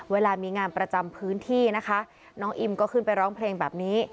เวลามีงานประจำพื้นที่นะคะน้องอิมก็ขึ้นไปร้องเพลงแบบนี้